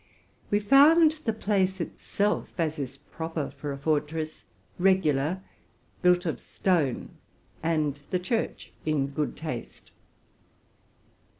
We found the place itself, as is proper for a fortress, regular, built of stone, and the church in good taste.